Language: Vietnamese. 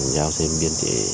giao xem biên chế